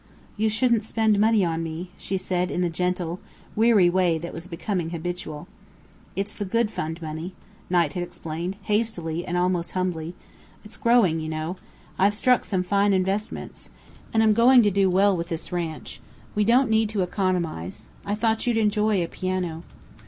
"You shouldn't spend money on me," she said in the gentle, weary way that was becoming habitual. "It's the 'good fund' money," Knight explained, hastily and almost humbly. "It's growing, you know. I've struck some fine investments. And I'm going to do well with this ranch. We don't need to economize. I thought you'd enjoy a piano."